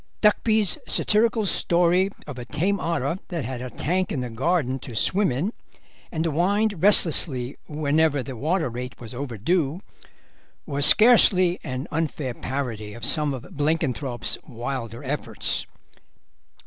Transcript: Duckby's satirical story of a tame otter that had a tank in the garden to swim in, and whined restlessly whenever the water rate was overdue, was scarcely an unfair parody of some of Blenkinthrope's wilder efforts.